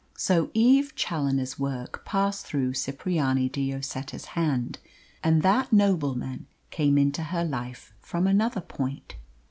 So Eve Challoner's work passed through Cipriani de Lloseta's hand, and that nobleman came into her life from another point.